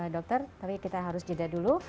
dokter tapi kita harus jeda dulu